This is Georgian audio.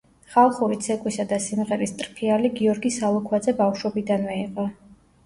ხალხური ცეკვისა და სიმღერის ტრფიალი გიორგი სალუქვაძე ბავშვობიდანვე იყო.